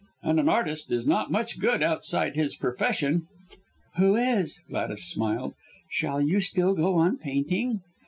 "And an artist is not much good outside his profession." "Who is?" Gladys smiled. "Shall you still go on painting?"